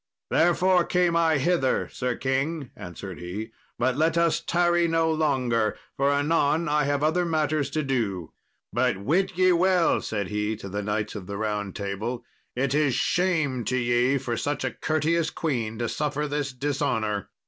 "Therefore came I hither, Sir king," answered he; "but let us tarry no longer, for anon I have other matters to do. But wit ye well," said he to the Knights of the Round Table, "it is shame to ye for such a courteous queen to suffer this dishonour."